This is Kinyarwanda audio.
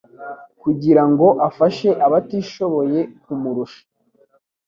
kugirango afashe abatishoboye kumurusha